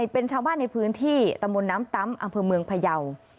เป็นชาวบ้านในพื้นที่ตำบลน้ำตำอำเภอเมืองพยาว